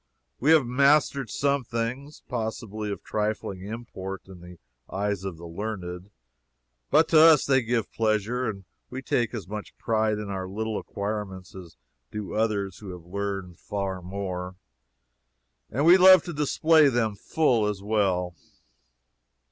We have mastered some things, possibly of trifling import in the eyes of the learned, but to us they give pleasure, and we take as much pride in our little acquirements as do others who have learned far more, and we love to display them full as well.